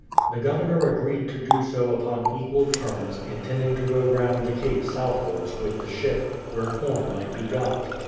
The Governor agreed to do so upon equal terms, intending to go round the cape southwards, \ w:th the ship, where corn might be got.